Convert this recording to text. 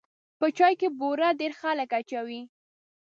په چای کې بوره ډېر خلک اچوي.